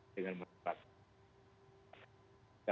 dengan menurut saya